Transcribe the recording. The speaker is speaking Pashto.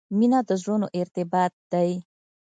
• مینه د زړونو ارتباط دی.